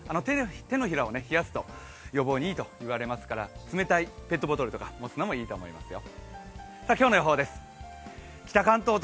手のひらを冷やすと予防にいいと言われますから、冷たいペットボトルを持つのもいいと思いますよ。